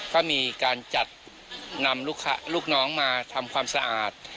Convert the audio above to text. ก็มีการจัดนำลูกน้องมาทำความสะอาด